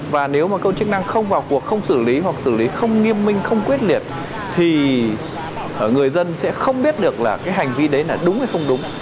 và nếu mà công chức năng không vào cuộc không xử lý hoặc xử lý không nghiêm minh không quyết liệt thì người dân sẽ không biết được là cái hành vi đấy là đúng hay không đúng